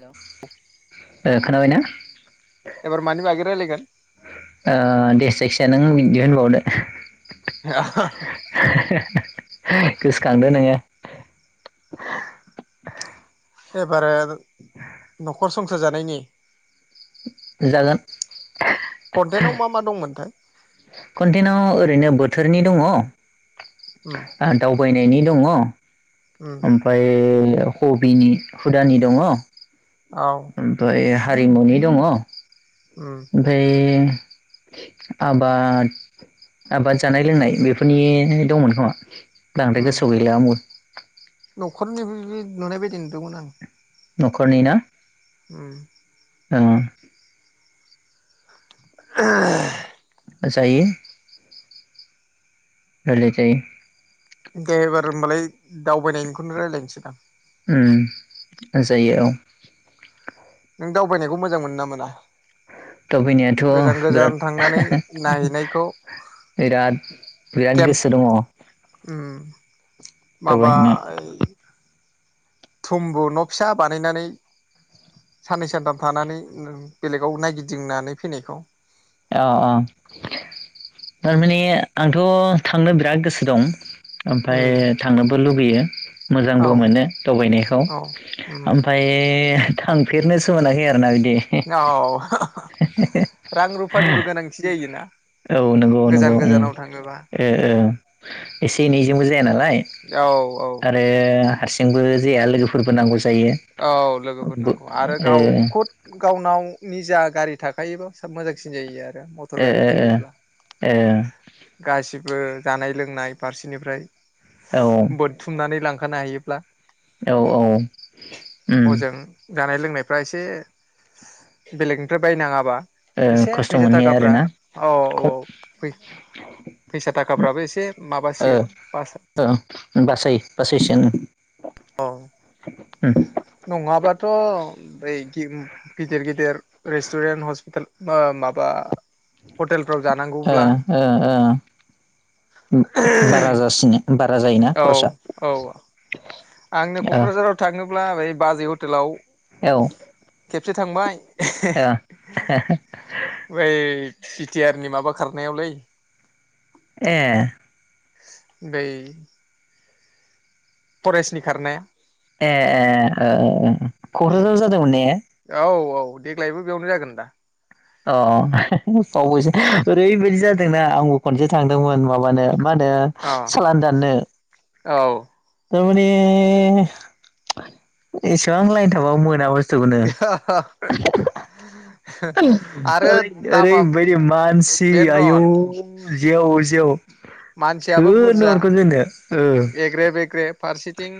Hello ए खोनाबायना ओ एबार मानि बागै रायलायगोन दे जायखिजाया नों दिहुनबावदो [inaudible] [unintelligible] गोसोखांदो नोङो। [unintelligible] [unintelligible] न'खर संसार जानायनि जागोन। कन्टेनाव मा मा दंमोनथाय। कन्टेनाव ओरैनो बोथोरनि दङ। आ उम दाव बयनायनि दङ। उम ओमफ्राय हबिनि हुदानि दङ। औ ओफाय हा हारिमुनि दङ'। उम ओमफ्राय आबाद आबाद जानाय लोंनाय बेफोरनि दंमोन खोमा। बांद्राय उम गोसोआव गैला आंबो। [inaudible] ओद नुनायबायदि नुदोंमोन आं। न'खरनि ना उम। ओं। [inaudible] होजायो। रायलायजायो। दे एबार होमबालाय दावबायनायनिखौनो रायलायनोसै दां। उम जायो औ। नों दावबायनायखौ मोजां मोनो ना मोना? गोजान दावबायनायाथ' गोजान थांनानै बिराद नायहैनायखौ बिराद बिराद केम्प गोसो दङ' उम माबा दावबायनायाव‌। थुम्बु न' फिसा बानायनानै साननै सानथाम थानानै उम बेलेगाव नायगिदिंनानै फैनायखौ। औ औ थारमाने आंथ' थांनो बिराद गोसो दं। ओमफ्राय उम थांनोबो लुबैयो मोजांबो औ मोनो दावबायनायखौ औ उम ओमफ्राय थांफेरनोसो मोनाखै आरो ना बि औ रां रुफ फानिबो गोनांथि जायो। इना औ नंगौ नंगौ उम ओ ओ एसे एनैजोंबो जाया नालाय औ औ आरो हारसिंबो जाया लोगोफोरबो नांगौ जायो औ लोगोफोर बो नांगौ आरो ओ गाव ख'द गावनाव निजा गारि थाखायोबा सोब मोजांसिन जायो आरो मथर गारि थायोब्ला गासि बो जानाय लोंनाय फारसेनिफ्राय ओ ओ बुथुमनानै लां खानो हायोब्ला औ औ। उम हजों जानाय लों नायफ्रा एसे बेलेगनिफ्राय बायनाङाबा ओ एसे खस्थ' फैसा मोनहैया थाखाफ्रा आरोना औ ख औ फै फैसा थाखाफ्राबो एसे ओ माबासिगोन बासा ओ बासै बासैसोनो औ नङाबाथ' बै गिदिर गिदिर रेस्टुरेन्ट हस्पिताल माबा हटेलफ्राव ओ जानांगौब्ला ओ ओ बारा जासिनो बार रा जायोना औ खरसा? औ आंनो ओ क'क्राझाराव थाङो ब्ला बै बाजै हटेलाव औ ओ खेबसे थांबाय ए [unintelligible] बि टि आर नि माबा खारनायावलै ए बै फरेस्टनि खारनाया ए ए [unintelligible] क'क्राझाराव जादोंमोन ने? औ औ देग्लायबो बेयावनो जागोन दा। अ [unintelligible] ओरैबायदि जादोंना आंबो खनसे थांदोंमोन माबानो मा होनो अ सालान दाननो औ। थारमाने एसेबां लायनथाबाबो मोना बु [unintelligible] [unintelligible] आरो ओरै दामा ओरैबायदि मानसि आयौ बेनोथ' जेव जेव मानसियाबो सोरनो बुरजा हरगोन जोंनो ओ एग्रे बेेग्रे फारसि थिं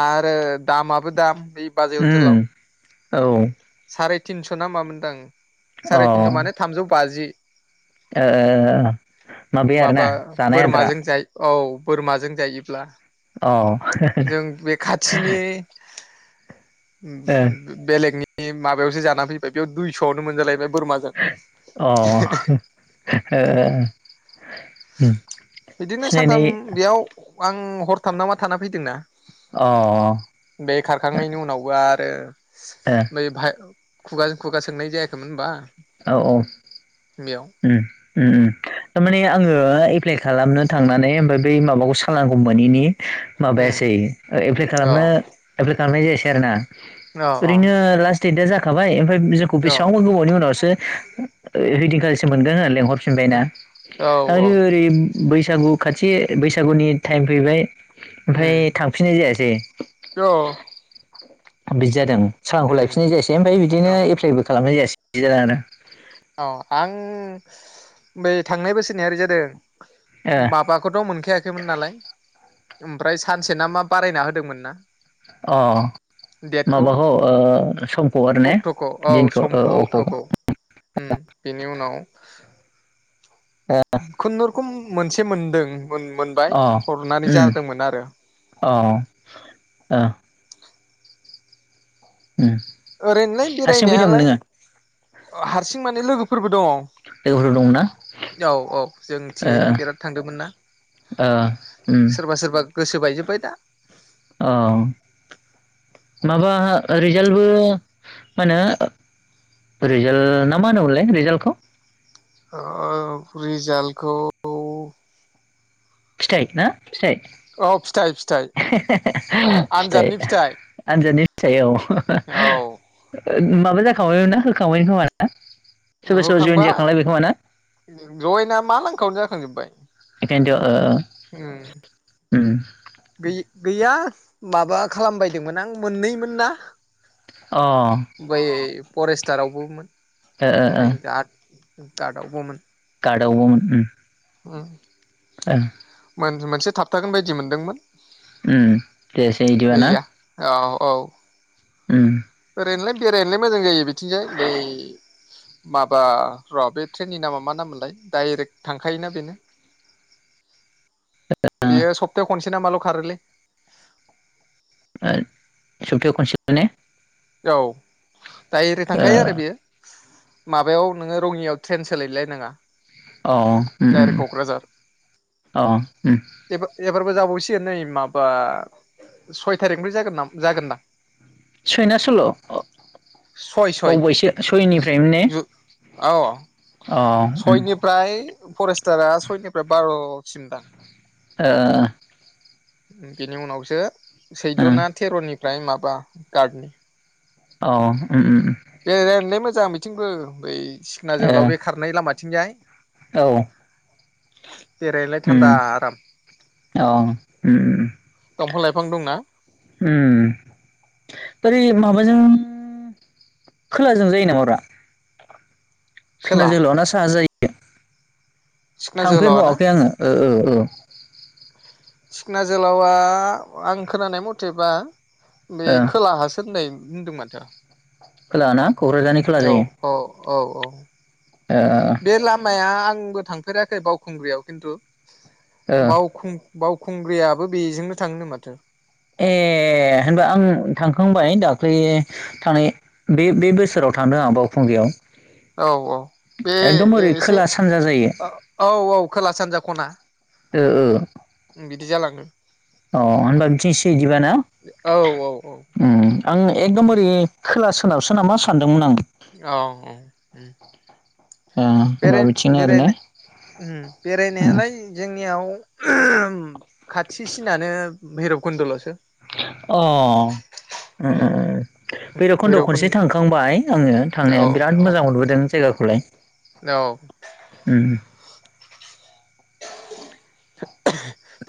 आरो दामाबो दाम बे बाजै उम हटेलाव औ थिनस' ना मामोनदां ओ साराय थिनस' माने थामजौ बाजि ओ माबाया आरोना माबा जानाय आदारा बोरमाजों जायो औ बोरमाजों जायोब्ला जों बे खाथिनि औ बेलेगनि माबायावसो जानानै फैबाय बेयाव दुइस'आवनो मोनजालायबाय बोरमाजों अ ओ बिदिनो सानथाम सिनायनाय बेयाव आं हरथाम नामा थाना फैदों ना अ बे खारखांनायनि उनावबो आ रो नै बाहाय खुगाजों खुगा सोंनाय जायाखैमोन होनबा औ औ बेयाव उम उम उम थारमाने आंङो एप्लाइ खालामनो थांनानै ओमफाय बै माबाखौ सालानखौ मोनैनि माबायासै उम एप्लाइ औ खालामनो रो खालामनाय जायासै आरो ना औ ओरैनो लास देटआ जाखाबाय ओमफाय जोंखौ औ बेसेबांबा गोबावनि उनाव सो सो‌ रिदिं गोदानसो मोनगोन होननानै लिंहरफिनबायना औ औ आरो ओरै बैसागु खाथि बैसागुनि टाइम फैबाय ओमफाय उम थांफिननाय जायासै औ बिदि जादों सालानखौ उम लाफिननाय जायासै ओमफाय बिदिनो औ एप्लाइबो खालामनाय जायासै बिदि जानानो [inaudible] औ आं बै थांनाय बोसोरनिया ओरै जादों आरो माबाखौथ' मोनखायाखैमोन नालाय ओमफ्राय सानसे ना मा बारायना होदोंमोन ना। अ डेटखौ माबाखौ ओ समखौ आरो ने अक्ट'खौ औ दिनखौ ओ समखौ अक्टखौ उम बिनियाव उनाव अ खुनुरुखुम मोनसे मोनदों। मोन-मोनबाय हरनानै उम जादोंमोन आरो। अ ओ उम ओरैनोलाय हारसिं फैदोंमोन बेरायनायालाय नोंङो? हारसिं माने लोगोफोरबो दं। लोगोफोर दंमोनना औ-औ जों थिंजायनि ओ बिराद थांदोंमोन ना ओ उम सोरबा-सोरबा गोसो बायजोब्बाय दा ओ माबा रिजाल्टबो मा होनो रिजाल्ट ना मा होनोमलै रिजाल्टखौ ओ रिजालखौ फिथाइ ना फिथाइ औ फिथाइ फिथाइ [unintelligible] फिथाइ आनजादनि फिथाइयाव औ [unintelligible] माबा जाग [unintelligible] ना होखाबायआनो खोमा ना ओ सोरबा सोरबा जयेन होखांबाय जाखांलायबाय खोमा ना जयेना मा लांखावनो जा खांजोबबाय बेखायनोथ ओ उम गै-गैया माबा खालामबायदोंमोन आं मोननैमोन ना ओ उम अ ओ बै फरेस्टारावबो मोन ओ ओमफ्राय गा ददावबो मोन। गादावबो मोन उम। ओ ओ मोन-मोनसे थाबथागोन बायदि मोनदोंमोन। उम जायासै इदिबा ना। गैया औ औ उम ओरैनो नोलाय बेरायनोलाय मोजां जायो बिथिंजाय बै माबा र' बे ट्रेननि नामा मा नाम मोनलाय डाइरेक्ट थांखायोना बेनो। ओ बेयो सप्तायाव खनसे ना मा ल' खारोलै। ओ, सबथायाव खनसे माने औ दायरेक थांखायो आरो बेयो माबायाव नोङो रङियाव ट्रेन सोलाय लायनाङा। अ उम उम [inaudible] अ उम फोरबो जाबावसिगोन नै माबा सय थारिख निफ्राय जागोन जागोनदा सय ना सल्ल'? सय सय बावैसो सयनिफ्रायनो ने जु औ [inaudible] अ उम सयनिफ्राय फरेस्टारा सयनिफ्राय बार'सिम दां। ओ ओओ उन बेनि उनावसो सैद' ना थेर'नि फ्राय माबा गादनि अ उम उम बे [unintelligible] मोजां मिथिंबो बै सिखोना जोहोलाव बे खारनाय लामा थिंजाय औ बेरायनोलाय थान्दा उम आराम [inaudible] अ अ अ उम दंफां लाइफां दंना उम उम बोरै माबा जों खोलाजों जायो नामा ब्रा? सिखोना खोला जोलाव ना साहा जायो सिखना जोहोलावा ना थांफेरबावाखै ओ ओ ओ। सिखना जोलावआ आं खोनानाय मथेबा बे ओ खोला हासोननाय बुंदों माथो खोलाना क'क्राझारनि खोला जायो। औ औ औ ओ बे लामाया आं बो थांफेराखै बावखुंग्रियाव खिन्थु ओ बावखुं बावखुंग्रियाबो बेजोंनो थाङोनो माथो। ए होनबा आं थांखांबाय दाख्लै थांनाय बे बे बोसोराव थांदों आंहा बावखुंगियाव। औ औ बे ओरै ए-एसे खोला सानजा जायो ओ-औ औ खोला सानजा ख'ना। ओ ओ बिदि जालाङो अ होनबा बिथिंसे बिदिब ना? औ औ औ उम आं एखदम उम बोरै खोलासो सोनाबसो नामा सानदोंमोन आं। औ औ उम ओ होनबा बेराय बिथिंनो आरो बेराय ने उम उम बेरायनायालाय जोंनियाव खाथिसिनानो भैरब कुन्दल'सो। अह उम उम भैरब खन्द' खनसे भैरबकुन्द थांखांबाय आङो औ थांनाया बिराद औ मोजां मोनबोदों जायगाखौलाय। औ। उम सो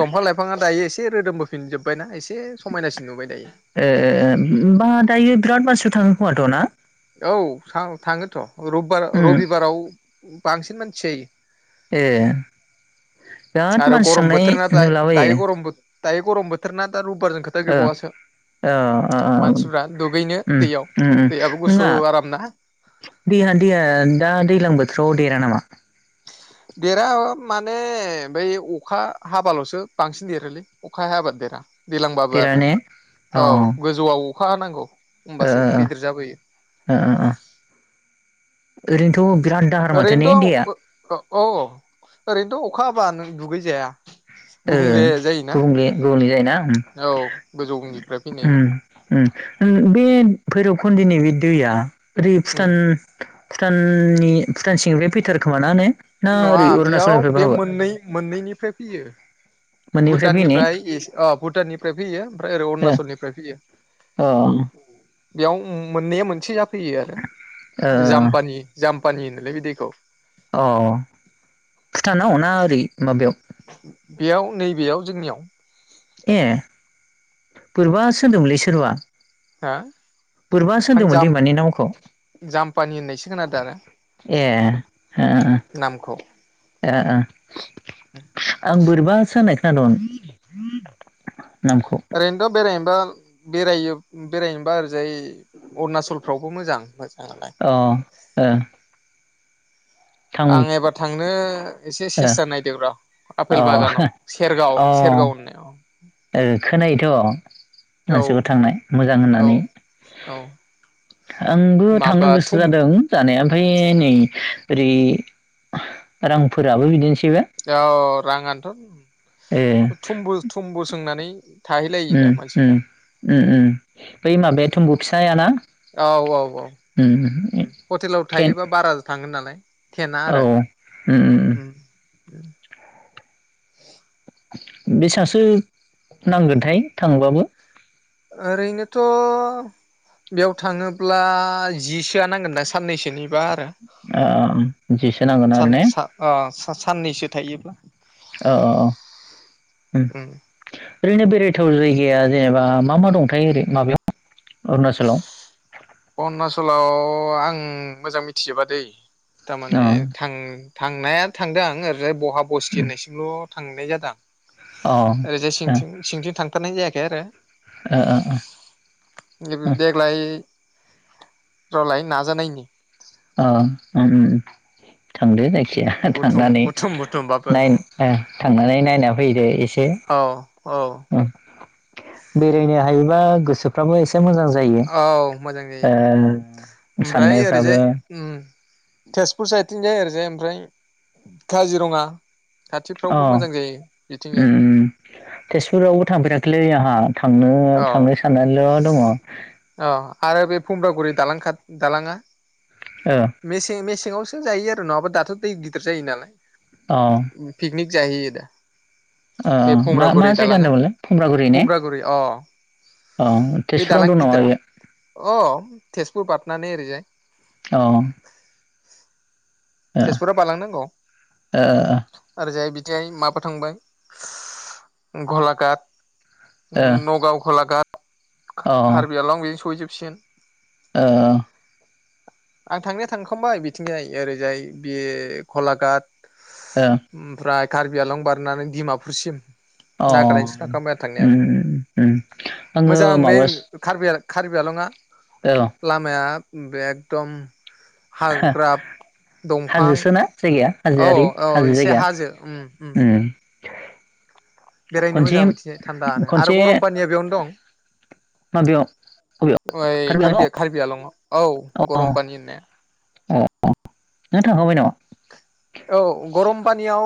दंफां लाइफाङा दायो एसे से रोदोम बोफिनजोबबायना एस ए बा दायो बिराद मानसिफोर थाङो खोमाथ' ना? औ थाङोथ'। रबबार उम रबिबाराव बांसिन मानसि जायो। ए बिराद आरो मानसि गरम थांनाय बोथोरना दा नुलाबायो। दायो गरम दायो गरम बोथोर ना ओ ओ आ आ ओं मानसिफ्रा दुगैनो उम दैयाव उम दैयाबो गुसु नोङा आरामना। दैया दैया दा दैलां बो थोराव देरा नामा? देरा माने बै अखा हाबाल'सो बांसिन देरोलै अखा हायाबा देरा। दैलांबाबो देरा आरो ने अ औ गोजौआव अखा हानांगौ। ओ ओ होमबासो गिदिर जाबोयो। ओ ओ ओ ओ। ओरैनोथ' बिराद दाहार माथो ने ओरैनोथ' दैया ओ अह। ओरैनोथ' अखा हाबा नों दुगैजाया। ओ गुबुंले जायोना गुबुंले गुबुंले जायोना उम औ गोजौनिफ्राय फैनाय ना उम उम उम बे भैरब खुन्दिनि बे दैया ओरै उम भुटान भुटाननि भुटान सिंनिफ्राय फैथारोखोमा ना ने? ना नङा ओरै बेयाव अरुणाचलनिफ्रायबो बे हाबो मोननै मोननैनिफ्राय फैयो। मोननैनिफ्राय फैयो ने भुटाननिफ्राय इस अ भुटाननिफ्राय फैयो ओमफ्राय ओरै अरुणाचलनिफ्राय फैयो। ओ बेयाव उम मोननैया मोनसे जा फैयो आरो अ ओ जाम्फानि जाम फानिल होनोलै बि दैखौ। अ भुटानाव ना ओरै माबायाव बेयाव नै बेयाव जोंनियाव ए बोरैबा सो होनदोंमोनलै सोरबा हा बोरैबा आं सोंदोंमोन दैमानि नामखौ जाम्प जाप्मानि होननायसो खोनादों आरो ए नामखौ ए ओ आं बोरैबासो होननाय खो खोनादों ओरैनोथ' बेरायनोबा बेरायो बेरायनोबा ओरैजाय अरुणाचलफ्रावबो मोजां मोजाङालाय अ ओ थां ओ आं एबार थांनो एसे अ सेस्था नायदों र' अ आपेल बागानाव सेरगाव सेरगाव होननायाव ओं खोनायोथ' औ मानसिफोर थांनाय मोजां होननानै औ औ आंबो थांनो माबा गोसो थुम जादों जानाया ओमफ्राय नै ओरै रांफोराबो बिदिनो औ ए राङानोथ' थुमबो थुमबो सोंनानै थाहैलायो दा ओम मानसिफ्रा ओम ओम ओम बै माबाया थम्बु फिसायाना औ औ औ उम ओम हटेलाव टेन थायोबा बारा थाङ गोन नालाय टेना औ आरो ओम ओम उम [inaudible] बेसांसो नांगोनथाय थांबाबो ओरैनोथ' बेयाव थाङोब्ला जिसोआ नांगोन ना साननैसोनि बा आरो ओ बिदिसो नांगोन आरो सान ने सा ओ सा-सा साननैसो थायोब्ला औ औ ओम उम ओरैनो बेरायथाव जायगाया जेनेबा मा मा दंथाय ओरै माबायाव अरुणाचलाव अरुणाचलाव आं मोजां मिथिजोबा दै अ थारमाने थां थांनाया थांदों आं ओरै बहा बस्थि होननायसिमल' थांनाय जादों आं अ ओ ओरैजाय सिंथिं सिंथिं थांथारनाय जायाखै आरो ओ ओ ओ नैबे देगलाय रलाय नाजानायनि अ उम [inaudible] थांदो जायखिजाया बुथुम थांनानै बुथुम बुथुमबाबो नाय थांनानै नायना फैयैदो एसे औ औ बेरायनो हायोबा गोसोफ्राबो एसे से मोजां जायो औ मोजां जायो ओ साननायफ्राबो ओम तेजपुर साइदथिंजाय आरैहाय ओमफ्राय काजिरङा अ खाथिफ्रावबो ओम मोजां जायो बिथिंजाय ओम तेजपुरावबो थांफेराखैलै आंहा थांनो औ थांनो साननानैल' दङ औ आरो बे फुमब्रागुरि दालां खाथ दालांङा अ मेसें मेस सिङावसो जायो आरो नङाबा दाथ' दै गिदिर जायो नालाय पिकनिक जायो दा अ बे मा मा भुमरागुरि जायगा दालाङा होनदोंमोनलाय फुमब्रागुरि ने भुमरागुरि अ अ बे दालां तेजपुरावनो दं नामा गिदिरा बेयो अ तेजप बादनानै एरैजाय औ तेजपुरा बालांनांगौ ओरैजाय बि [unintelligible] माबा थांबाय गलाघाट अ नगाव घलाघात ओ कार्बि आलं बि सहैजो सिन ओ आं थांनाया थांखांबाय बिथिंजाय ओरैजाय बे गलाघाट अ ओमफ्राय कार्बि आलं बारनानै डिमापुरसिम अ नागालेण्डसिम थांखांबाय आं थांनायालाय उम उम आङो माबा खार्बिआलंआ लामाया बेग दम हो दंफां हाजोसोना जायगाया औ हाजोआरि औ हाजो एसे जायगा हाजो ओम। [inaudible] बेरायनो खनसे मोजां बिथिंजाय थान्दानो आरो खनसे गरम पानिया बेयावनो दं माबेयाव बबेयाव अइ कार्बि आंलं कार्बि-कार्बि आलंआव। औ अ गरम पानि होननाया। अ नों थांखांबाय नामा? औ गरम पानियाव